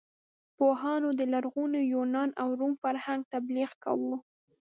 پوهانو د لرغوني یونان او روم فرهنګ تبلیغ کاوه.